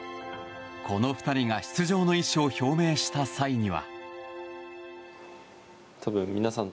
この２人が出場の意思を表明した際には。